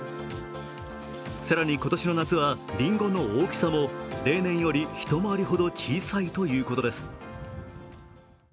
更に今年の夏はりんごの大きさも例年より一回りほど小さいということです。